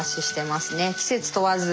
季節問わず。